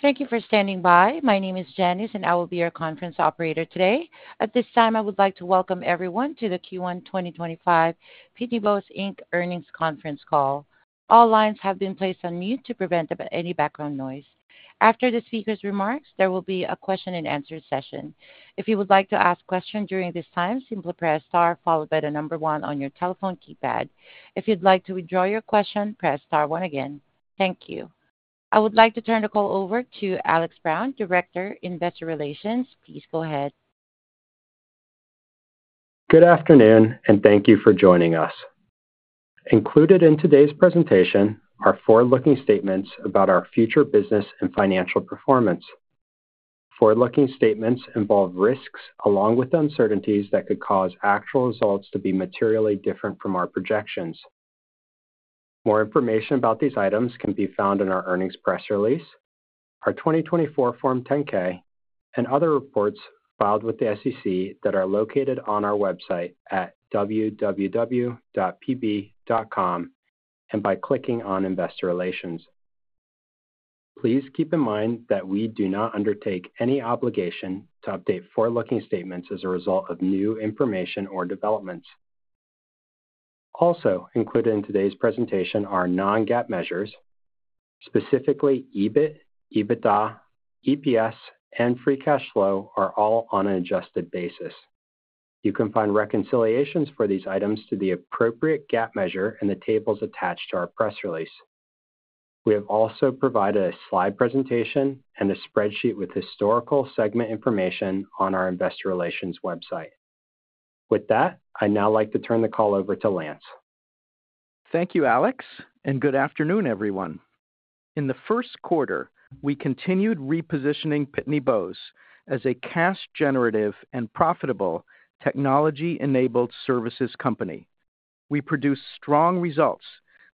Thank you for standing by. My name is Janice, and I will be your conference operator today. At this time, I would like to welcome everyone to the Q1 2025 Pitney Bowes earnings conference call. All lines have been placed on mute to prevent any background noise. After the speaker's remarks, there will be a question and answer session. If you would like to ask a question during this time, simply press star followed by the number one on your telephone keypad. If you'd like to withdraw your question, press star one again. Thank you. I would like to turn the call over to Alex Brown, Director, Investor Relations. Please go ahead. Good afternoon, and thank you for joining us. Included in today's presentation are forward-looking statements about our future business and financial performance. Forward-looking statements involve risks along with uncertainties that could cause actual results to be materially different from our projections. More information about these items can be found in our earnings press release, our 2024 Form 10-K, and other reports filed with the SEC that are located on our website at www.pb.com and by clicking on Investor Relations. Please keep in mind that we do not undertake any obligation to update forward-looking statements as a result of new information or developments. Also included in today's presentation are non-GAAP measures. Specifically, EBIT, EBITDA, EPS, and free cash flow are all on an adjusted basis. You can find reconciliations for these items to the appropriate GAAP measure in the tables attached to our press release. We have also provided a slide presentation and a spreadsheet with historical segment information on our Investor Relations website. With that, I'd now like to turn the call over to Lance. Thank you, Alex, and good afternoon, everyone. In the first quarter, we continued repositioning Pitney Bowes as a cash-generative and profitable technology-enabled services company. We produced strong results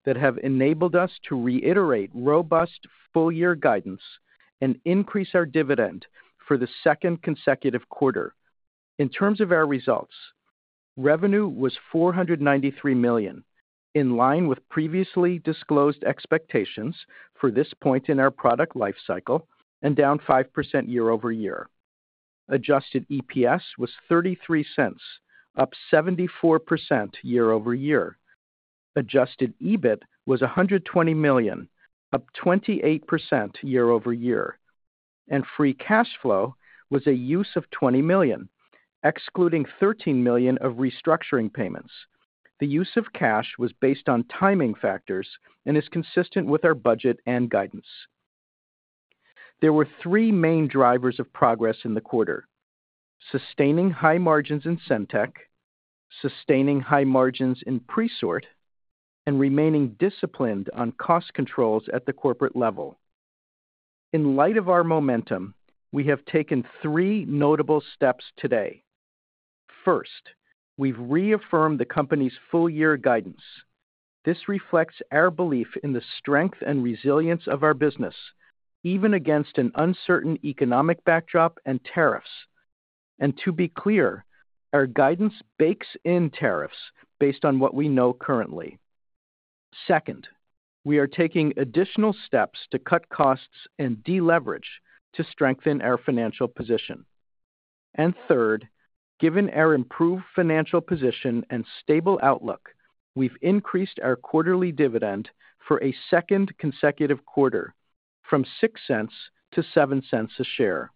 that have enabled us to reiterate robust full-year guidance and increase our dividend for the second consecutive quarter. In terms of our results, revenue was $493 million, in line with previously disclosed expectations for this point in our product lifecycle and down 5% year over year. Adjusted EPS was $0.33, up 74% year over year. Adjusted EBIT was $120 million, up 28% year over year. Free cash flow was a use of $20 million, excluding $13 million of restructuring payments. The use of cash was based on timing factors and is consistent with our budget and guidance. There were three main drivers of progress in the quarter: sustaining high margins in SendTech, sustaining high margins in Presort, and remaining disciplined on cost controls at the corporate level. In light of our momentum, we have taken three notable steps today. First, we've reaffirmed the company's full-year guidance. This reflects our belief in the strength and resilience of our business, even against an uncertain economic backdrop and tariffs. To be clear, our guidance bakes in tariffs based on what we know currently. Second, we are taking additional steps to cut costs and deleverage to strengthen our financial position. Third, given our improved financial position and stable outlook, we've increased our quarterly dividend for a second consecutive quarter from $0.06 to $0.07 a share.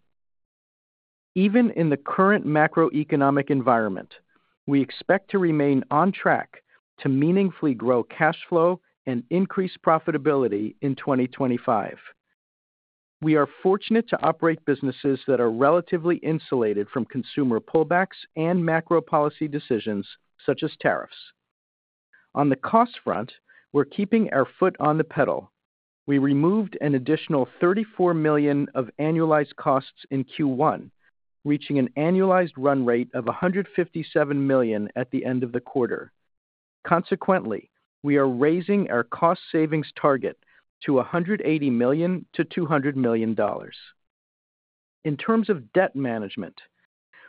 Even in the current macroeconomic environment, we expect to remain on track to meaningfully grow cash flow and increase profitability in 2025. We are fortunate to operate businesses that are relatively insulated from consumer pullbacks and macro policy decisions such as tariffs. On the cost front, we're keeping our foot on the pedal. We removed an additional $34 million of annualized costs in Q1, reaching an annualized run rate of $157 million at the end of the quarter. Consequently, we are raising our cost savings target to $180 million-$200 million. In terms of debt management,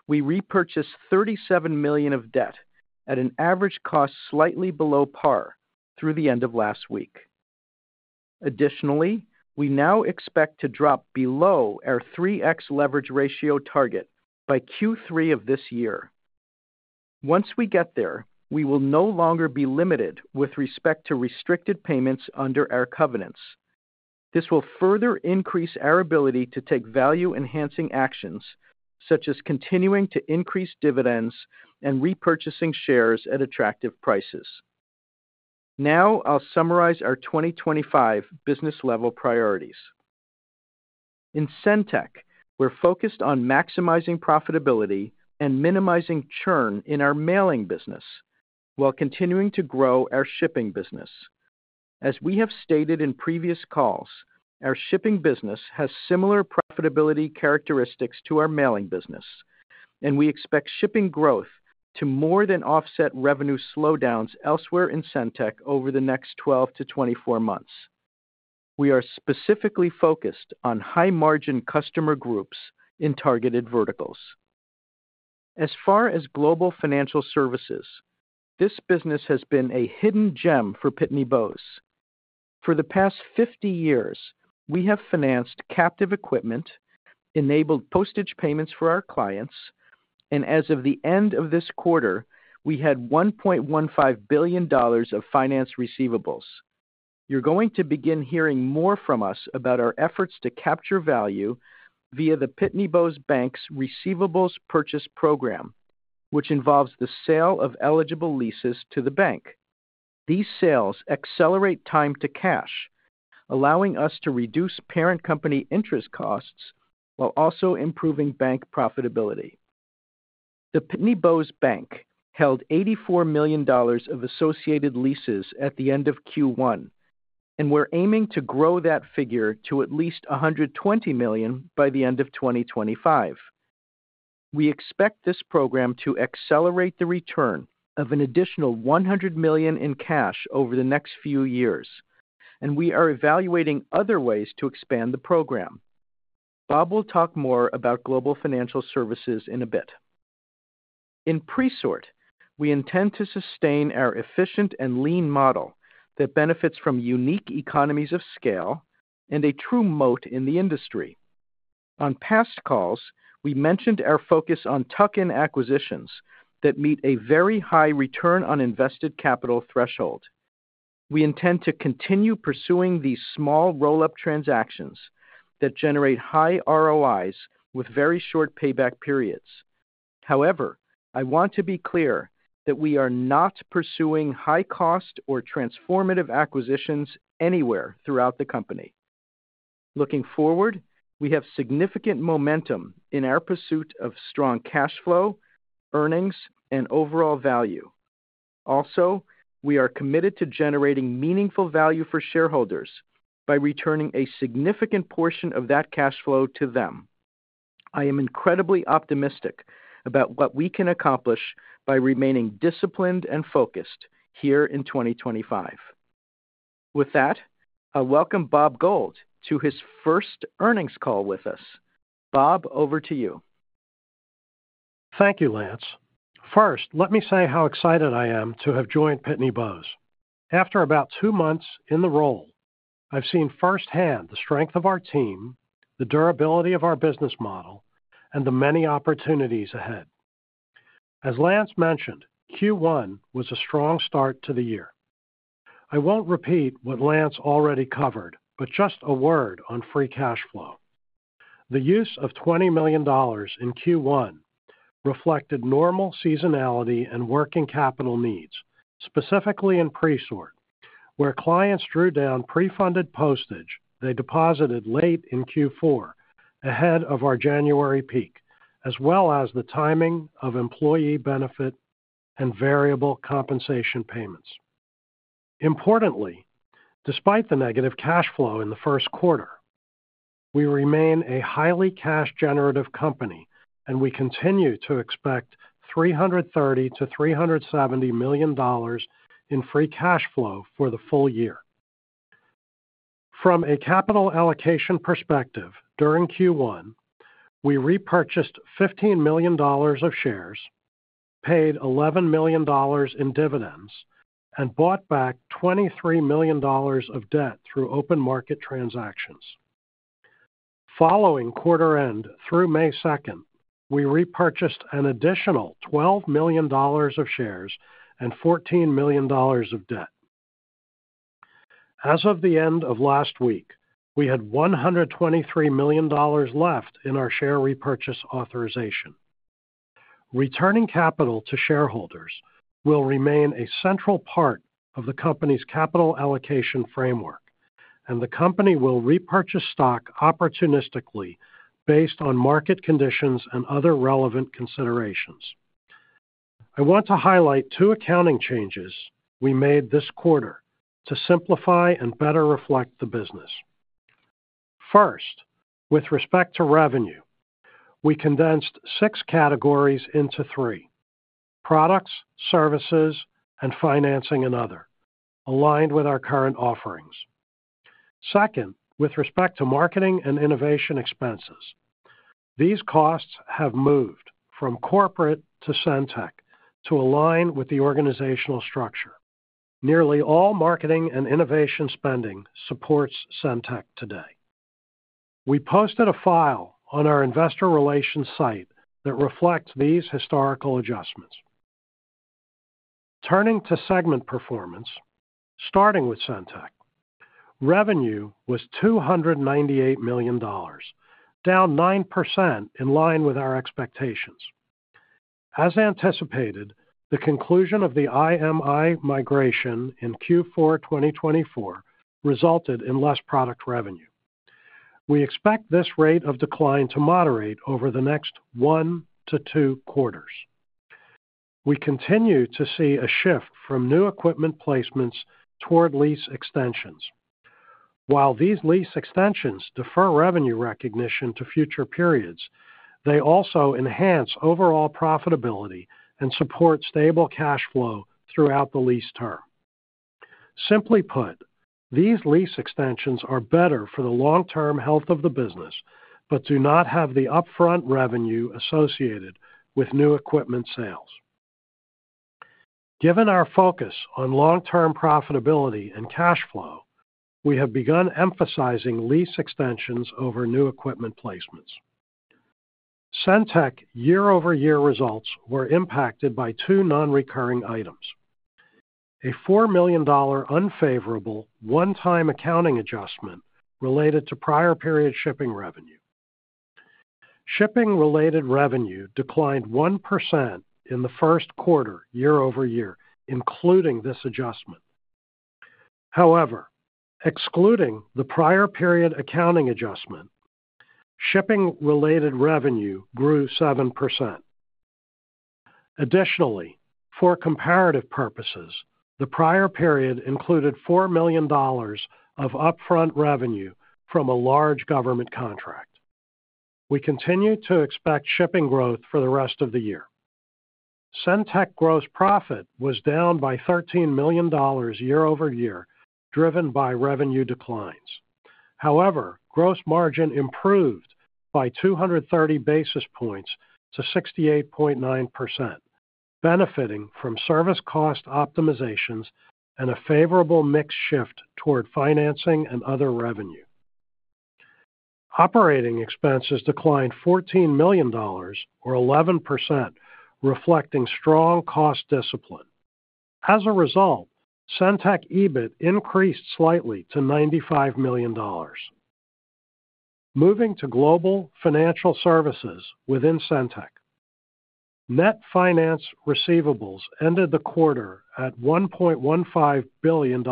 we repurchased $37 million of debt at an average cost slightly below par through the end of last week. Additionally, we now expect to drop below our 3x leverage ratio target by Q3 of this year. Once we get there, we will no longer be limited with respect to restricted payments under our covenants. This will further increase our ability to take value-enhancing actions, such as continuing to increase dividends and repurchasing shares at attractive prices. Now I'll summarize our 2025 business-level priorities. In SendTech, we're focused on maximizing profitability and minimizing churn in our mailing business while continuing to grow our shipping business. As we have stated in previous calls, our shipping business has similar profitability characteristics to our mailing business, and we expect shipping growth to more than offset revenue slowdowns elsewhere in SendTech over the next 12-24 months. We are specifically focused on high-margin customer groups in targeted verticals. As far as global financial services, this business has been a hidden gem for Pitney Bowes. For the past 50 years, we have financed captive equipment, enabled postage payments for our clients, and as of the end of this quarter, we had $1.15 billion of finance receivables. You're going to begin hearing more from us about our efforts to capture value via the Pitney Bowes Bank's receivables purchase program, which involves the sale of eligible leases to the bank. These sales accelerate time to cash, allowing us to reduce parent company interest costs while also improving bank profitability. The Pitney Bowes Bank held $84 million of associated leases at the end of Q1, and we're aiming to grow that figure to at least $120 million by the end of 2025. We expect this program to accelerate the return of an additional $100 million in cash over the next few years, and we are evaluating other ways to expand the program. Bob will talk more about Global Financial Services in a bit. In Presort, we intend to sustain our efficient and lean model that benefits from unique economies of scale and a true moat in the industry. On past calls, we mentioned our focus on tuck-in acquisitions that meet a very high return on invested capital threshold. We intend to continue pursuing these small roll-up transactions that generate high ROIs with very short payback periods. However, I want to be clear that we are not pursuing high-cost or transformative acquisitions anywhere throughout the company. Looking forward, we have significant momentum in our pursuit of strong cash flow, earnings, and overall value. Also, we are committed to generating meaningful value for shareholders by returning a significant portion of that cash flow to them. I am incredibly optimistic about what we can accomplish by remaining disciplined and focused here in 2025. With that, I'll welcome Bob Gold to his first earnings call with us. Bob, over to you. Thank you, Lance. First, let me say how excited I am to have joined Pitney Bowes. After about two months in the role, I've seen firsthand the strength of our team, the durability of our business model, and the many opportunities ahead. As Lance mentioned, Q1 was a strong start to the year. I won't repeat what Lance already covered, but just a word on free cash flow. The use of $20 million in Q1 reflected normal seasonality and working capital needs, specifically in Presort, where clients drew down pre-funded postage they deposited late in Q4 ahead of our January peak, as well as the timing of employee benefit and variable compensation payments. Importantly, despite the negative cash flow in the first quarter, we remain a highly cash-generative company, and we continue to expect $330-$370 million in free cash flow for the full year. From a capital allocation perspective, during Q1, we repurchased $15 million of shares, paid $11 million in dividends, and bought back $23 million of debt through open market transactions. Following quarter-end through May 2nd, we repurchased an additional $12 million of shares and $14 million of debt. As of the end of last week, we had $123 million left in our share repurchase authorization. Returning capital to shareholders will remain a central part of the company's capital allocation framework, and the company will repurchase stock opportunistically based on market conditions and other relevant considerations. I want to highlight two accounting changes we made this quarter to simplify and better reflect the business. First, with respect to revenue, we condensed six categories into three: products, services, and financing and other, aligned with our current offerings. Second, with respect to marketing and innovation expenses, these costs have moved from corporate to SendTech to align with the organizational structure. Nearly all marketing and innovation spending supports SendTech today. We posted a file on our Investor Relations site that reflects these historical adjustments. Turning to segment performance, starting with SendTech, revenue was $298 million, down 9% in line with our expectations. As anticipated, the conclusion of the IMI migration in Q4 2024 resulted in less product revenue. We expect this rate of decline to moderate over the next one to two quarters. We continue to see a shift from new equipment placements toward lease extensions. While these lease extensions defer revenue recognition to future periods, they also enhance overall profitability and support stable cash flow throughout the lease term. Simply put, these lease extensions are better for the long-term health of the business but do not have the upfront revenue associated with new equipment sales. Given our focus on long-term profitability and cash flow, we have begun emphasizing lease extensions over new equipment placements. SendTech year-over-year results were impacted by two non-recurring items: a $4 million unfavorable one-time accounting adjustment related to prior-period shipping revenue. Shipping-related revenue declined 1% in the first quarter year-over-year, including this adjustment. However, excluding the prior-period accounting adjustment, shipping-related revenue grew 7%. Additionally, for comparative purposes, the prior period included $4 million of upfront revenue from a large government contract. We continue to expect shipping growth for the rest of the year. SendTech gross profit was down by $13 million year-over-year, driven by revenue declines. However, gross margin improved by 230 basis points to 68.9%, benefiting from service cost optimizations and a favorable mix shift toward financing and other revenue. Operating expenses declined $14 million, or 11%, reflecting strong cost discipline. As a result, SendTech EBIT increased slightly to $95 million. Moving to global financial services within SendTech, net finance receivables ended the quarter at $1.15 billion,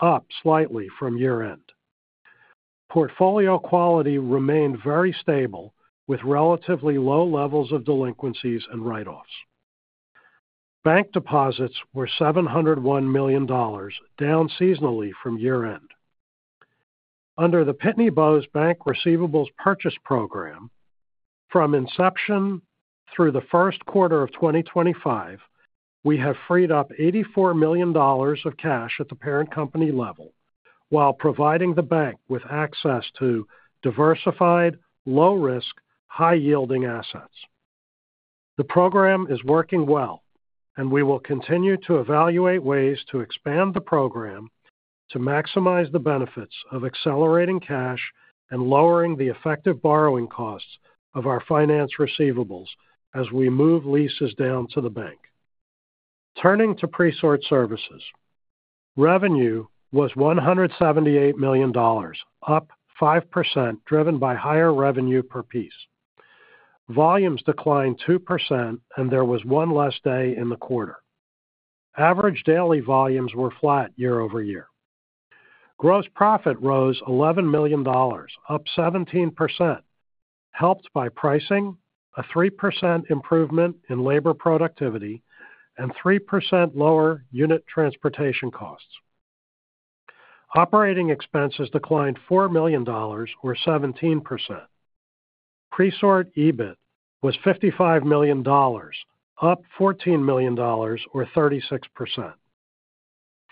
up slightly from year-end. Portfolio quality remained very stable with relatively low levels of delinquencies and write-offs. Bank deposits were $701 million, down seasonally from year-end. Under the Pitney Bowes Bank receivables purchase program, from inception through the first quarter of 2025, we have freed up $84 million of cash at the parent company level while providing the bank with access to diversified, low-risk, high-yielding assets. The program is working well, and we will continue to evaluate ways to expand the program to maximize the benefits of accelerating cash and lowering the effective borrowing costs of our finance receivables as we move leases down to the bank. Turning to Presort services, revenue was $178 million, up 5%, driven by higher revenue per piece. Volumes declined 2%, and there was one less day in the quarter. Average daily volumes were flat year-over-year. Gross profit rose $11 million, up 17%, helped by pricing, a 3% improvement in labor productivity, and 3% lower unit transportation costs. Operating expenses declined $4 million, or 17%. Presort EBIT was $55 million, up $14 million, or 36%.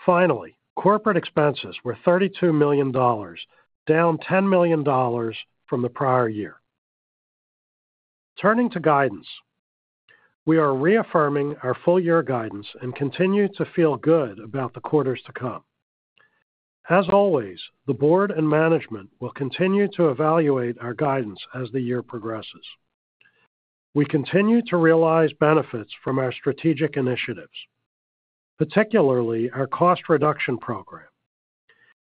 Finally, corporate expenses were $32 million, down $10 million from the prior year. Turning to guidance, we are reaffirming our full-year guidance and continue to feel good about the quarters to come. As always, the board and management will continue to evaluate our guidance as the year progresses. We continue to realize benefits from our strategic initiatives, particularly our cost reduction program.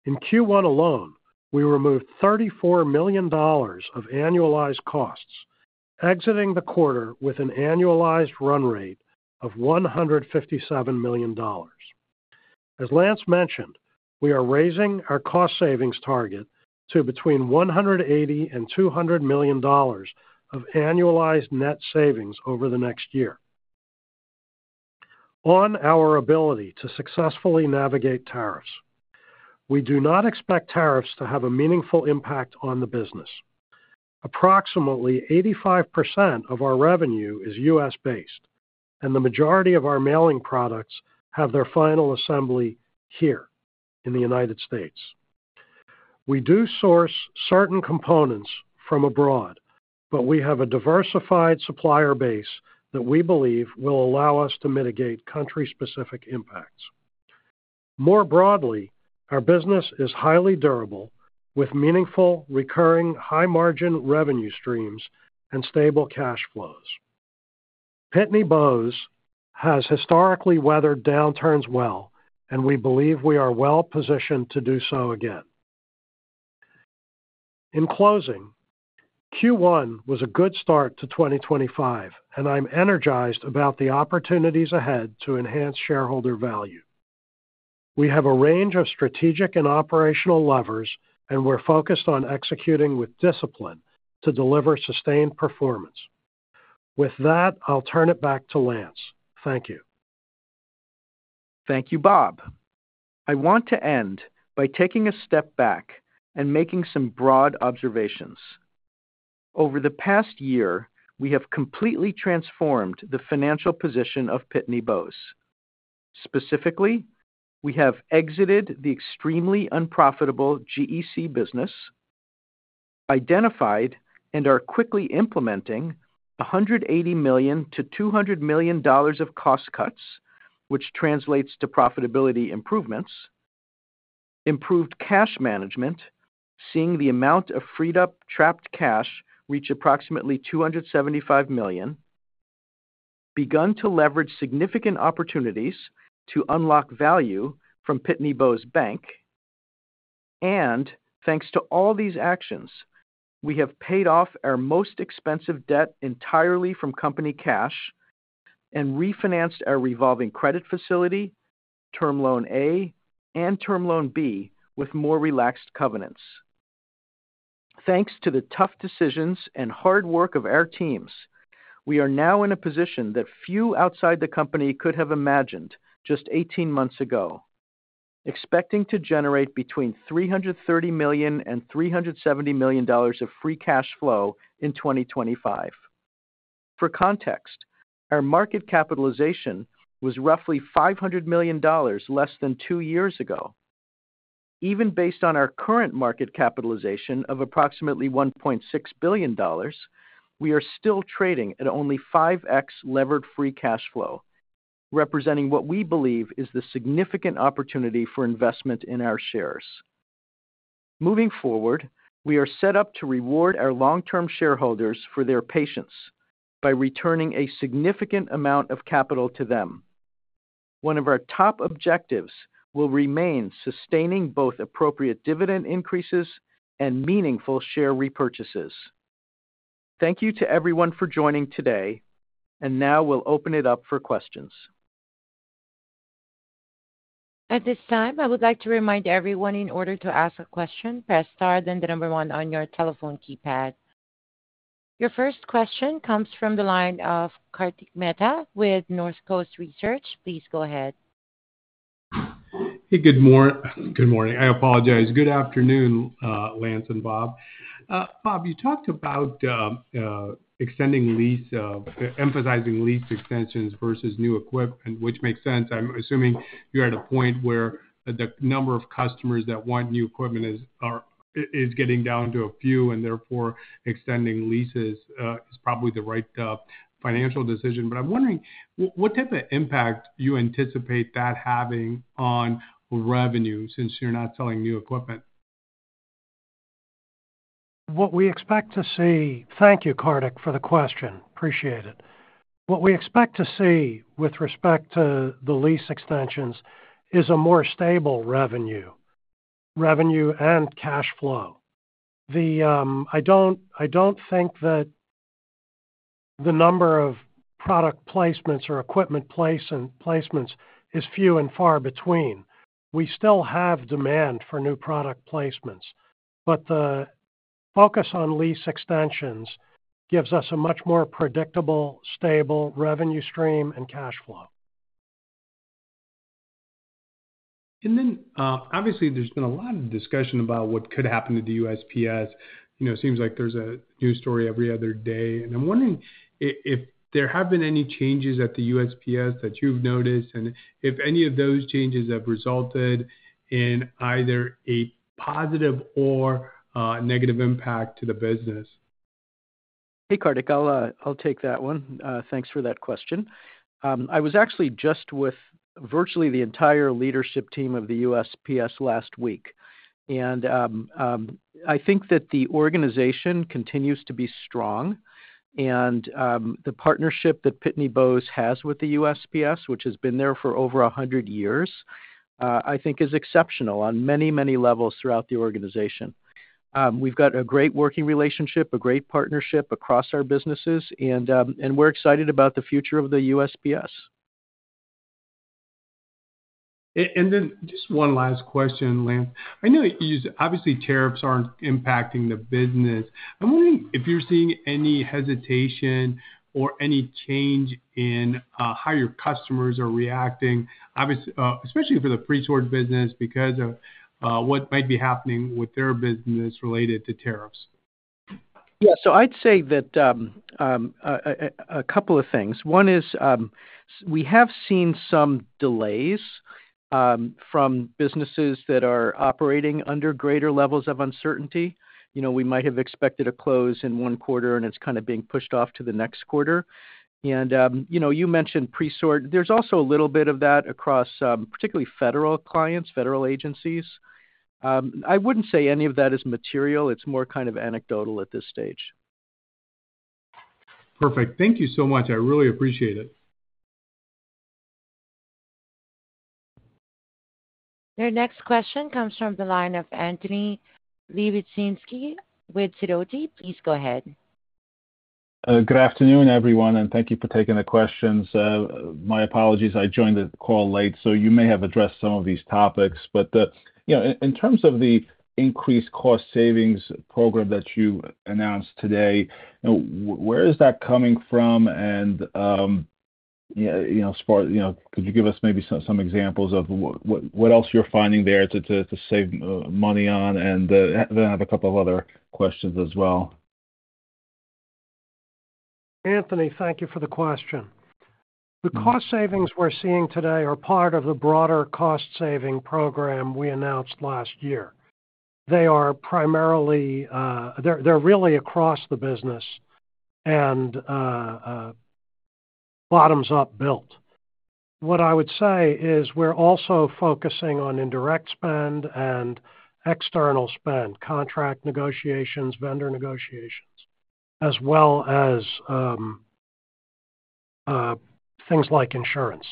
In Q1 alone, we removed $34 million of annualized costs, exiting the quarter with an annualized run rate of $157 million. As Lance mentioned, we are raising our cost savings target to between $180 million and $200 million of annualized net savings over the next year. On our ability to successfully navigate tariffs, we do not expect tariffs to have a meaningful impact on the business. Approximately 85% of our revenue is U.S.-based, and the majority of our mailing products have their final assembly here in the United States. We do source certain components from abroad, but we have a diversified supplier base that we believe will allow us to mitigate country-specific impacts. More broadly, our business is highly durable with meaningful recurring high-margin revenue streams and stable cash flows. Pitney Bowes has historically weathered downturns well, and we believe we are well-positioned to do so again. In closing, Q1 was a good start to 2025, and I'm energized about the opportunities ahead to enhance shareholder value. We have a range of strategic and operational levers, and we're focused on executing with discipline to deliver sustained performance. With that, I'll turn it back to Lance. Thank you. Thank you, Bob. I want to end by taking a step back and making some broad observations. Over the past year, we have completely transformed the financial position of Pitney Bowes. Specifically, we have exited the extremely unprofitable GEC business, identified and are quickly implementing $180 million-$200 million of cost cuts, which translates to profitability improvements, improved cash management, seeing the amount of freed-up trapped cash reach approximately $275 million, begun to leverage significant opportunities to unlock value from Pitney Bowes Bank, and thanks to all these actions, we have paid off our most expensive debt entirely from company cash and refinanced our revolving credit facility, term loan A and term loan B with more relaxed covenants. Thanks to the tough decisions and hard work of our teams, we are now in a position that few outside the company could have imagined just 18 months ago, expecting to generate between $330 million and $370 million of free cash flow in 2025. For context, our market capitalization was roughly $500 million less than two years ago. Even based on our current market capitalization of approximately $1.6 billion, we are still trading at only 5X levered free cash flow, representing what we believe is the significant opportunity for investment in our shares. Moving forward, we are set up to reward our long-term shareholders for their patience by returning a significant amount of capital to them. One of our top objectives will remain sustaining both appropriate dividend increases and meaningful share repurchases. Thank you to everyone for joining today, and now we'll open it up for questions. At this time, I would like to remind everyone in order to ask a question, press star then the number one on your telephone keypad. Your first question comes from the line of Kartik Mehta with Northcoast Research. Please go ahead. Hey, good morning. I apologize. Good afternoon, Lance and Bob. Bob, you talked about extending lease, emphasizing lease extensions versus new equipment, which makes sense. I'm assuming you're at a point where the number of customers that want new equipment is getting down to a few, and therefore extending leases is probably the right financial decision. I'm wondering what type of impact you anticipate that having on revenue since you're not selling new equipment? What we expect to see—thank you, Karthik, for the question. Appreciate it. What we expect to see with respect to the lease extensions is a more stable revenue and cash flow. I don't think that the number of product placements or equipment placements is few and far between. We still have demand for new product placements, but the focus on lease extensions gives us a much more predictable, stable revenue stream and cash flow. Obviously, there's been a lot of discussion about what could happen to the USPS. It seems like there's a news story every other day. I'm wondering if there have been any changes at the USPS that you've noticed and if any of those changes have resulted in either a positive or negative impact to the business. Hey, Karthik, I'll take that one. Thanks for that question. I was actually just with virtually the entire leadership team of the USPS last week. I think that the organization continues to be strong, and the partnership that Pitney Bowes has with the USPS, which has been there for over 100 years, I think is exceptional on many, many levels throughout the organization. We've got a great working relationship, a great partnership across our businesses, and we're excited about the future of the USPS. Just one last question, Lance. I know obviously tariffs aren't impacting the business. I'm wondering if you're seeing any hesitation or any change in how your customers are reacting, especially for the Presort business, because of what might be happening with their business related to tariffs. Yeah. I'd say a couple of things. One is we have seen some delays from businesses that are operating under greater levels of uncertainty. We might have expected a close in one quarter, and it's kind of being pushed off to the next quarter. You mentioned Presort. There's also a little bit of that across particularly federal clients, federal agencies. I wouldn't say any of that is material. It's more kind of anecdotal at this stage. Perfect. Thank you so much. I really appreciate it. Your next question comes from the line of Anthony Lebiedzinski with Sidoti. Please go ahead. Good afternoon, everyone, and thank you for taking the questions. My apologies. I joined the call late, so you may have addressed some of these topics. In terms of the increased cost savings program that you announced today, where is that coming from? Could you give us maybe some examples of what else you're finding there to save money on? I have a couple of other questions as well. Anthony, thank you for the question. The cost savings we're seeing today are part of the broader cost saving program we announced last year. They are primarily—they're really across the business and bottoms up built. What I would say is we're also focusing on indirect spend and external spend, contract negotiations, vendor negotiations, as well as things like insurance.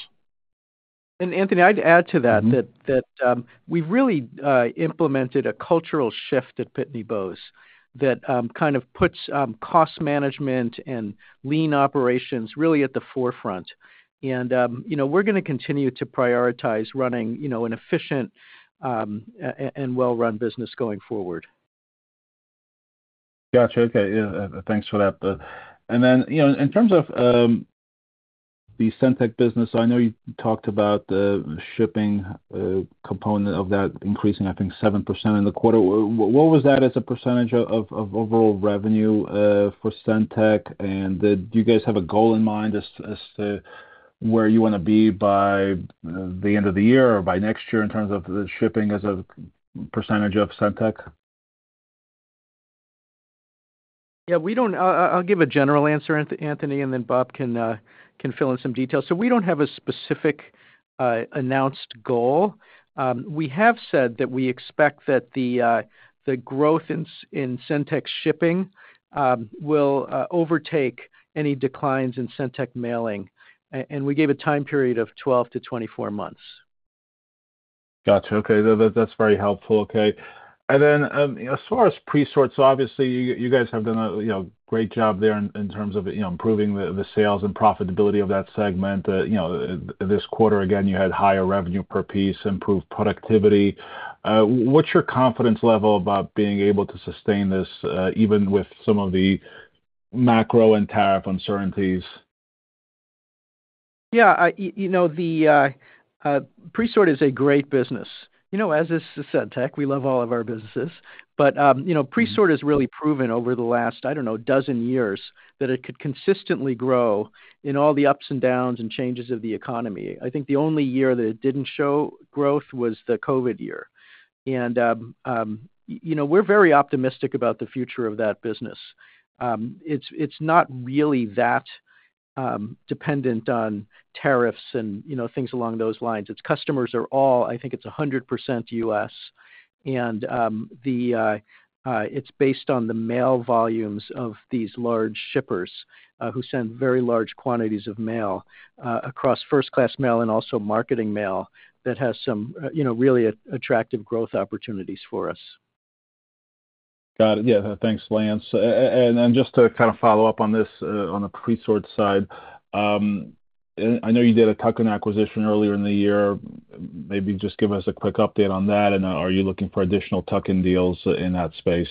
Anthony, I'd add to that that we've really implemented a cultural shift at Pitney Bowes that kind of puts cost management and lean operations really at the forefront. We're going to continue to prioritize running an efficient and well-run business going forward. Gotcha. Okay. Thanks for that. In terms of the SendTech business, I know you talked about the shipping component of that increasing, I think, 7% in the quarter. What was that as a percentage of overall revenue for SendTech? Do you guys have a goal in mind as to where you want to be by the end of the year or by next year in terms of the shipping as a percentage of SendTech? Yeah. I'll give a general answer, Anthony, and then Bob can fill in some details. We don't have a specific announced goal. We have said that we expect that the growth in SendTech Shipping will overtake any declines in SendTech Mailing. We gave a time period of 12-24 months. Got it. Okay. That's very helpful. Okay. As far as Presort's, obviously, you guys have done a great job there in terms of improving the sales and profitability of that segment. This quarter, again, you had higher revenue per piece, improved productivity. What's your confidence level about being able to sustain this even with some of the macro and tariff uncertainties? Yeah. The Presort is a great business. As is SendTech, we love all of our businesses. Presort has really proven over the last, I don't know, dozen years that it could consistently grow in all the ups and downs and changes of the economy. I think the only year that it did not show growth was the COVID year. We are very optimistic about the future of that business. It is not really that dependent on tariffs and things along those lines. Its customers are all, I think it is 100% U.S. It is based on the mail volumes of these large shippers who send very large quantities of mail across first-class mail and also marketing mail that has some really attractive growth opportunities for us. Got it. Yeah. Thanks, Lance. And just to kind of follow up on this, on the Presort side, I know you did a tuck-in acquisition earlier in the year. Maybe just give us a quick update on that. And are you looking for additional tuck-in deals in that space?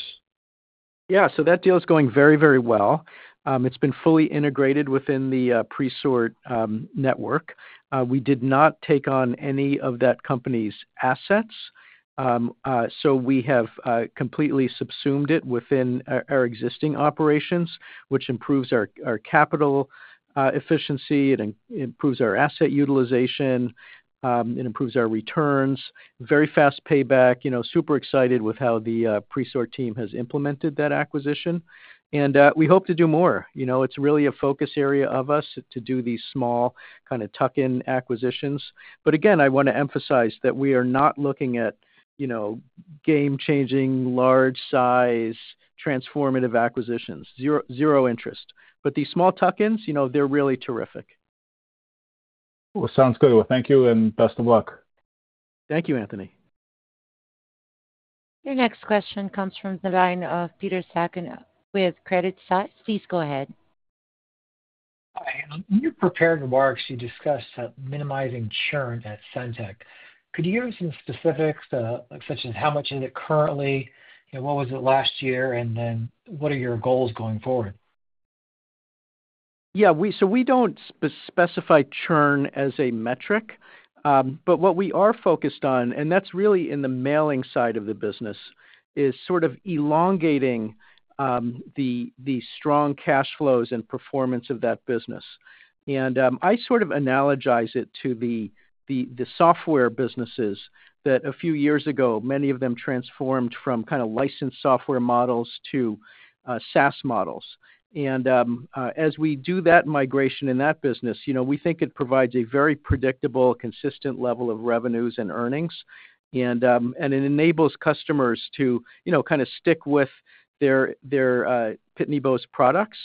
Yeah. So that deal is going very, very well. It's been fully integrated within the Presort network. We did not take on any of that company's assets. So we have completely subsumed it within our existing operations, which improves our capital efficiency, it improves our asset utilization, it improves our returns, very fast payback. Super excited with how the Presort team has implemented that acquisition. We hope to do more. It's really a focus area of us to do these small kind of tuck-in acquisitions. Again, I want to emphasize that we are not looking at game-changing large-size transformative acquisitions. Zero interest. These small tuck-ins, they're really terrific. Thank you and best of luck. Thank you, Anthony. Your next question comes from the line of Peter Sakon with CreditSights. Please go ahead. Hi. When you prepared the marks, you discussed minimizing churn at SendTech. Could you give us some specifics, such as how much is it currently, what was it last year, and then what are your goals going forward? Yeah. We do not specify churn as a metric. What we are focused on, and that is really in the mailing side of the business, is sort of elongating the strong cash flows and performance of that business. I sort of analogize it to the software businesses that a few years ago, many of them transformed from kind of licensed software models to SaaS models. As we do that migration in that business, we think it provides a very predictable, consistent level of revenues and earnings. It enables customers to kind of stick with their Pitney Bowes products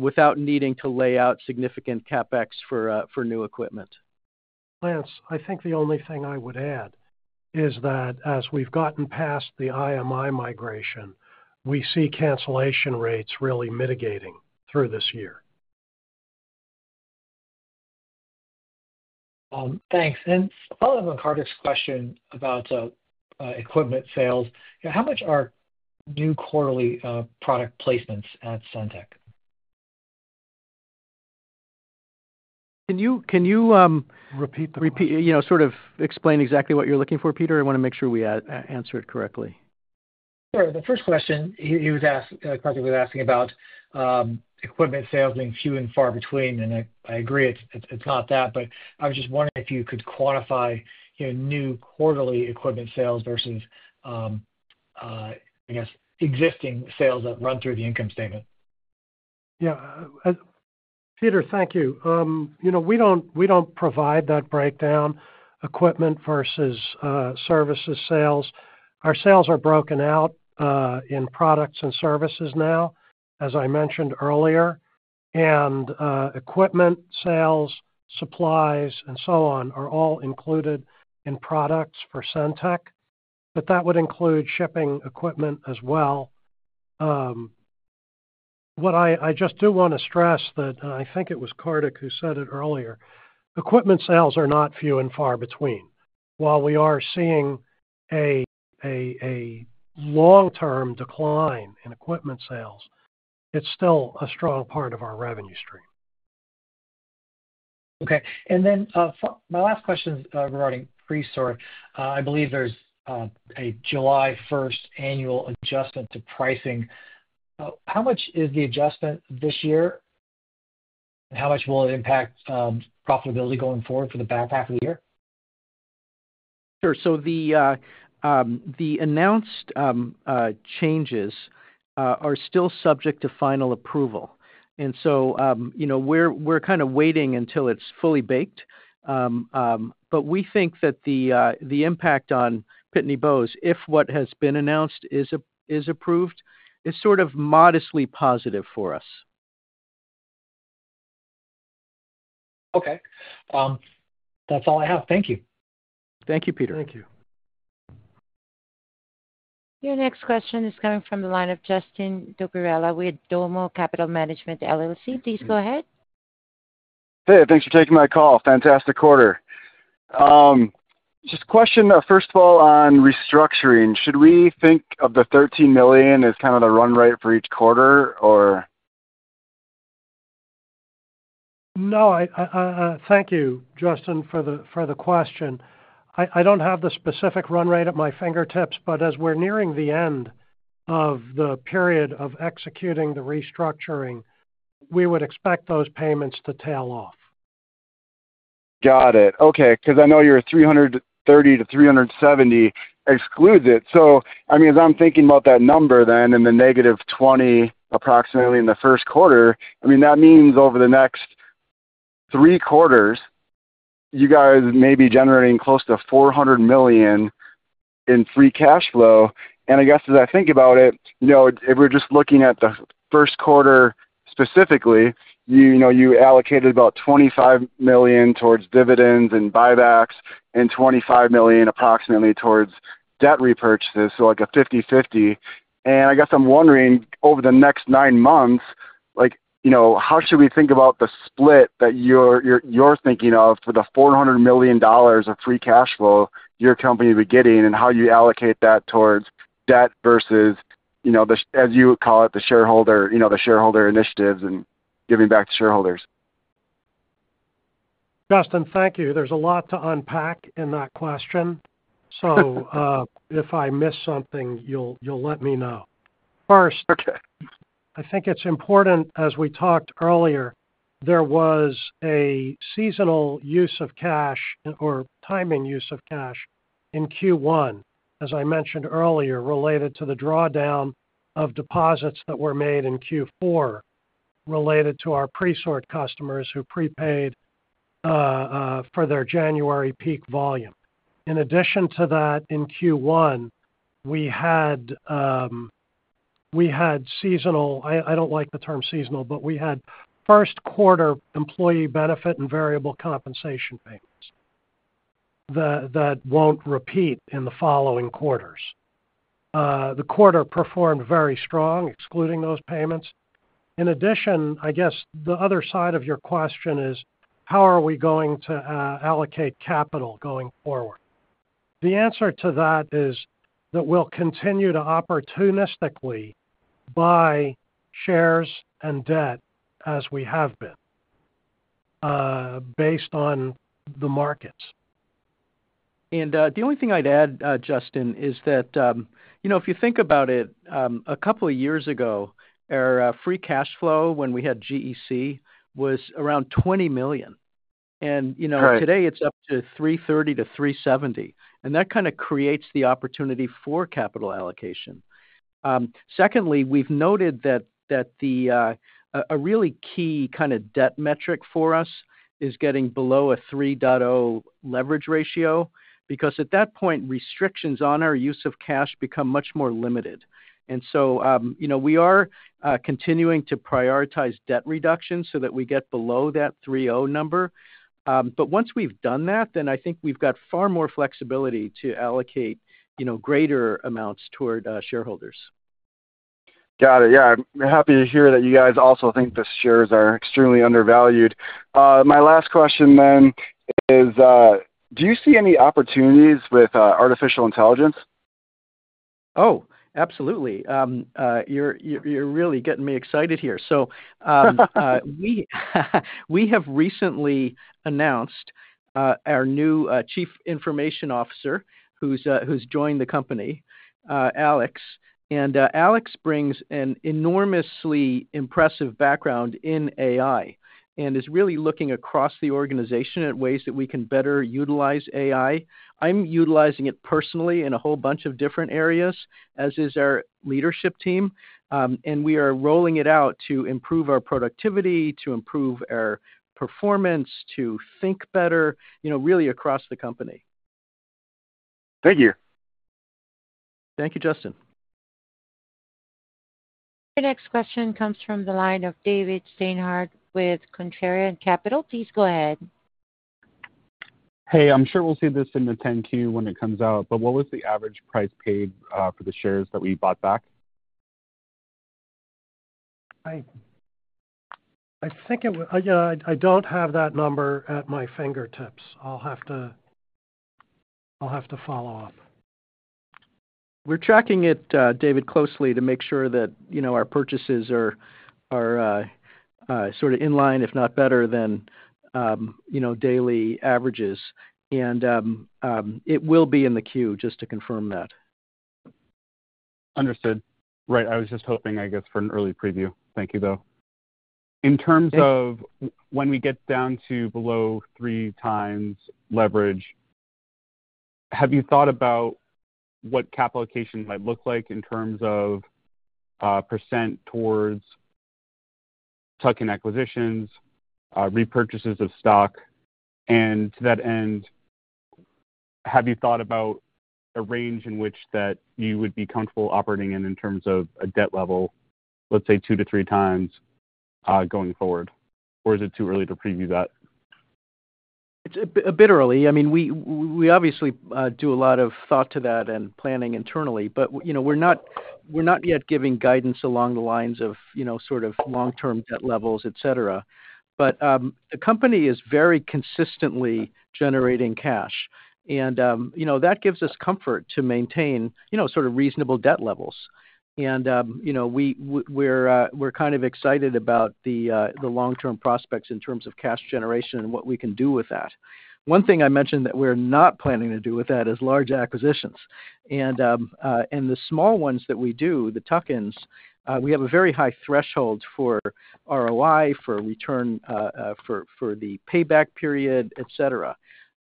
without needing to lay out significant CapEx for new equipment. Lance, I think the only thing I would add is that as we've gotten past the IMI migration, we see cancellation rates really mitigating through this year. Thanks. Following on Karthik's question about equipment sales, how much are new quarterly product placements at SendTech? Can you repeat the question? Sort of explain exactly what you're looking for, Peter? I want to make sure we answer it correctly. Sure. The first question he was asking, Karthik was asking about equipment sales being few and far between. I agree it's not that, but I was just wondering if you could quantify new quarterly equipment sales versus, I guess, existing sales that run through the income statement. Yeah. Peter, thank you. We do not provide that breakdown, equipment versus services sales. Our sales are broken out in products and services now, as I mentioned earlier. And equipment sales, supplies, and so on are all included in products for SendTech. That would include shipping equipment as well. What I just do want to stress, I think it was Karthik who said it earlier, equipment sales are not few and far between. While we are seeing a long-term decline in equipment sales, it is still a strong part of our revenue stream. Okay. My last question is regarding Presort. I believe there's a July 1 annual adjustment to pricing. How much is the adjustment this year? How much will it impact profitability going forward for the back half of the year? Sure. The announced changes are still subject to final approval. We are kind of waiting until it is fully baked. We think that the impact on Pitney Bowes, if what has been announced is approved, is sort of modestly positive for us. Okay. That's all I have. Thank you. Thank you, Peter. Thank you. Your next question is coming from the line of Justin Dopierala with DOMO Capital Management. Please go ahead. Hey. Thanks for taking my call. Fantastic quarter. Just a question, first of all, on restructuring. Should we think of the $13 million as kind of the run rate for each quarter, or? No. Thank you, Justin, for the question. I don't have the specific run rate at my fingertips, but as we're nearing the end of the period of executing the restructuring, we would expect those payments to tail off. Got it. Okay. Because I know your $330 million to $370 million excludes it. I mean, as I'm thinking about that number then in the negative $20 million approximately in the first quarter, I mean, that means over the next three quarters, you guys may be generating close to $400 million in free cash flow. I guess as I think about it, if we're just looking at the first quarter specifically, you allocated about $25 million towards dividends and buybacks and $25 million approximately towards debt repurchases, so like a 50/50. I guess I'm wondering, over the next nine months, how should we think about the split that you're thinking of for the $400 million of free cash flow your company would be getting and how you allocate that towards debt versus, as you call it, the shareholder initiatives and giving back to shareholders? Justin, thank you. There's a lot to unpack in that question. If I miss something, you'll let me know. First, I think it's important, as we talked earlier, there was a seasonal use of cash or timing use of cash in Q1, as I mentioned earlier, related to the drawdown of deposits that were made in Q4 related to our Presort customers who prepaid for their January peak volume. In addition to that, in Q1, we had seasonal—I don't like the term seasonal, but we had first-quarter employee benefit and variable compensation payments that won't repeat in the following quarters. The quarter performed very strong, excluding those payments. In addition, I guess the other side of your question is, how are we going to allocate capital going forward? The answer to that is that we'll continue to opportunistically buy shares and debt as we have been based on the markets. The only thing I'd add, Justin, is that if you think about it, a couple of years ago, our free cash flow when we had GEC was around $20 million. Today, it's up to $330-$370 million. That kind of creates the opportunity for capital allocation. Secondly, we've noted that a really key kind of debt metric for us is getting below a 3.0 leverage ratio because at that point, restrictions on our use of cash become much more limited. We are continuing to prioritize debt reduction so that we get below that 3.0 number. Once we've done that, I think we've got far more flexibility to allocate greater amounts toward shareholders. Got it. Yeah. I'm happy to hear that you guys also think the shares are extremely undervalued. My last question then is, do you see any opportunities with artificial intelligence? Oh, absolutely. You're really getting me excited here. We have recently announced our new Chief Information Officer who's joined the company, Alex. Alex brings an enormously impressive background in AI and is really looking across the organization at ways that we can better utilize AI. I'm utilizing it personally in a whole bunch of different areas, as is our leadership team. We are rolling it out to improve our productivity, to improve our performance, to think better, really across the company. Thank you. Thank you, Justin. Your next question comes from the line of David Steinhardt with Contrarian Capital. Please go ahead. Hey. I'm sure we'll see this in the 10Q when it comes out. But what was the average price paid for the shares that we bought back? I think it was—yeah. I don't have that number at my fingertips. I'll have to follow up. We're tracking it, David, closely to make sure that our purchases are sort of in line, if not better, than daily averages. It will be in the queue just to confirm that. Understood. Right. I was just hoping, I guess, for an early preview. Thank you, though. In terms of when we get down to below three times leverage, have you thought about what cap allocation might look like in terms of % towards tuck-in acquisitions, repurchases of stock? And to that end, have you thought about a range in which that you would be comfortable operating in in terms of a debt level, let's say, two to three times going forward? Or is it too early to preview that? It's a bit early. I mean, we obviously do a lot of thought to that and planning internally. We're not yet giving guidance along the lines of sort of long-term debt levels, etc. The company is very consistently generating cash. That gives us comfort to maintain sort of reasonable debt levels. We're kind of excited about the long-term prospects in terms of cash generation and what we can do with that. One thing I mentioned that we're not planning to do with that is large acquisitions. The small ones that we do, the tuck-ins, we have a very high threshold for ROI, for return, for the payback period, etc.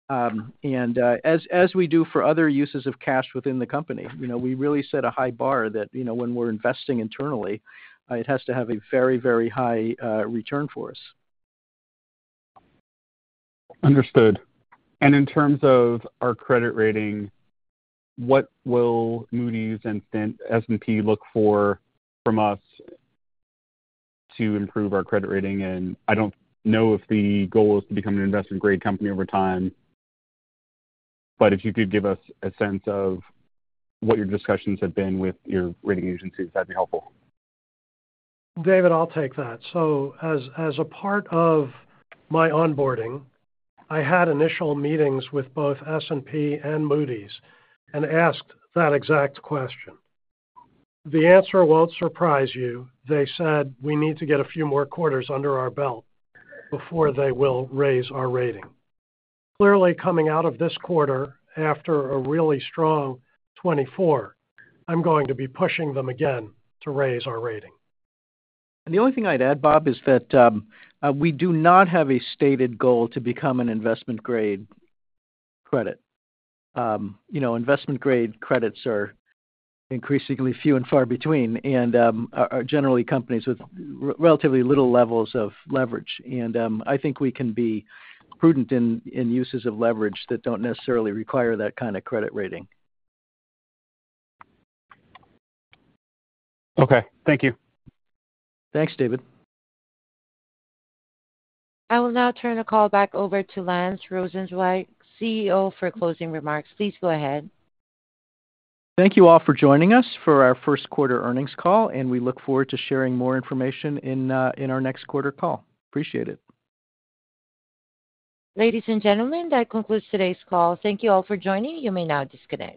As we do for other uses of cash within the company, we really set a high bar that when we're investing internally, it has to have a very, very high return for us. Understood. In terms of our credit rating, what will Moody's and S&P look for from us to improve our credit rating? I don't know if the goal is to become an investment-grade company over time. If you could give us a sense of what your discussions have been with your rating agencies, that'd be helpful. David, I'll take that. As a part of my onboarding, I had initial meetings with both S&P and Moody's and asked that exact question. The answer won't surprise you. They said, "We need to get a few more quarters under our belt before they will raise our rating." Clearly, coming out of this quarter after a really strong 2024, I'm going to be pushing them again to raise our rating. The only thing I'd add, Bob, is that we do not have a stated goal to become an investment-grade credit. Investment-grade credits are increasingly few and far between and are generally companies with relatively little levels of leverage. I think we can be prudent in uses of leverage that do not necessarily require that kind of credit rating. Okay. Thank you. Thanks, David. I will now turn the call back over to Lance Rosenzweig, CEO, for closing remarks. Please go ahead. Thank you all for joining us for our first quarter earnings call. We look forward to sharing more information in our next quarter call. Appreciate it. Ladies and gentlemen, that concludes today's call. Thank you all for joining. You may now disconnect.